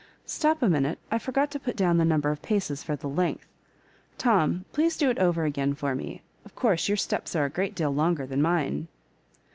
Stop a minute ; I forgot to put down the number of paces for the length. Tom, please do it over again for mo ; of course, your steps are a great deal longer than mine."